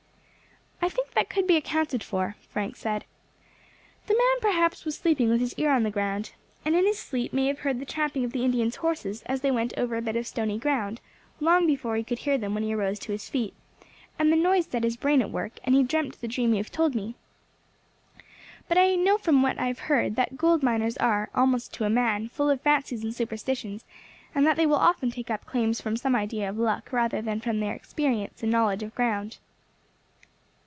"I think that could be accounted for," Frank said. "The man perhaps was sleeping with his ear on the ground, and in his sleep may have heard the tramping of the Indians' horses as they went over a bit of stony ground, long before he could hear them when he arose to his feet, and the noise set his brain at work, and he dreamt the dream you have told me. But I know from what I have heard that gold miners are, almost to a man, full of fancies and superstitions, and that they will often take up claims from some idea of luck rather than from their experience and knowledge of ground."